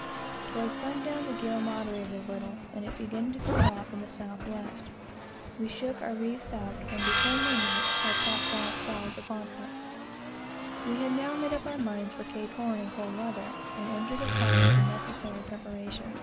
Towards sun down the gale moderated a little, and it began to clear off in the south west. We shook our reefs out, one by one, and before midnight had top gallant sails upon her. We had now made up our minds for Cape Horn and cold weather, and entered upon every necessary preparation.